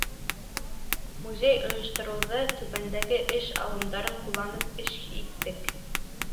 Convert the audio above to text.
Музей ойоштороуҙа түбәндәге эш алымдарын ҡулланып эш иттек: